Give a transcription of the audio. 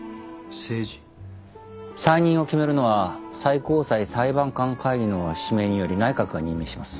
再任を決めるのは最高裁裁判官会議の指名により内閣が任命します。